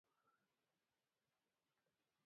تاریخي سندونه، انځوریز لاس لیکلي کتابونه خوندي دي.